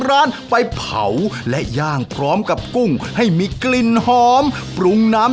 อร่อยเชียบแน่นอนครับอร่อยเชียบแน่นอนครับ